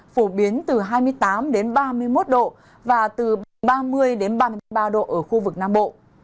phổ biến từ hai mươi tám ba mươi một độ và từ ba mươi ba mươi ba độ ở khu vực nam bộ